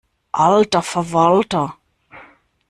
Alter Verwalter!